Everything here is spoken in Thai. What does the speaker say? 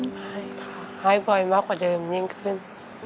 ให้ค่ะให้บ่อยมากกว่าเดิมยิ่งขึ้น